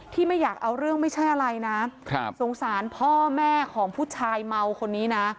ไม่อยากเอาเรื่องไม่ใช่อะไรนะสงสารพ่อแม่ของผู้ชายเมาคนนี้นะ